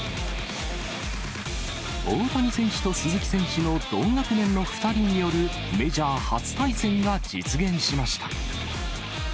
大谷選手と鈴木選手の同学年の２人によるメジャー初対戦が実現しました。